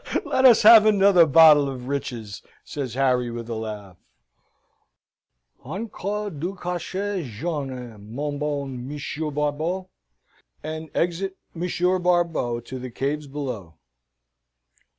"Let us have another bottle of riches," says Harry, with a laugh. "Encore du cachet jaune, mon bon Monsieur Barbeau!" and exit Monsieur Barbeau to the caves below.